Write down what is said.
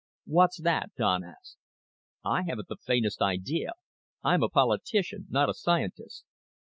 "What's that?" Don asked. "I haven't the faintest idea. I'm a politician, not a scientist.